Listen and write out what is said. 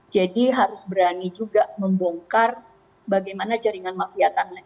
jadi harus berani juga membongkar bagaimana jaringan mafia tanah